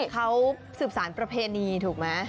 เขาสืบสารประเพณีถูกไหม